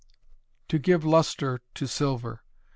_To Give Luster to Silver.